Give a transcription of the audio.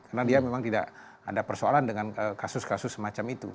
karena dia memang tidak ada persoalan dengan kasus kasus semacam itu